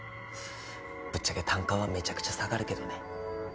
ぶっちゃけ単価はめちゃくちゃ下がるけどね。